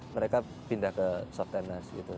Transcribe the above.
mereka pindah ke soft tennis gitu